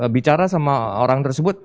bicara sama orang tersebut